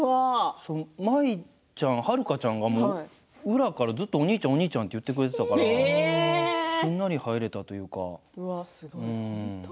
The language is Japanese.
舞ちゃん、遥ちゃんが裏からずっとお兄ちゃんと言ってくれたからすんなり入れたというか。